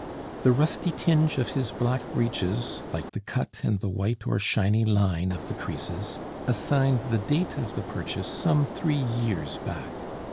The rusty tinge of his black breeches, like the cut and the white or shiny line of the creases, assigned the date of the purchase some three years back.